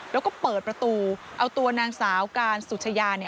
แล้วก็เปิดประตูเอาตัวนางสาวการสุชยา